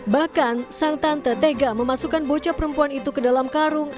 bahkan sang tante tega memasukkan bocah perempuan itu ke dalam karung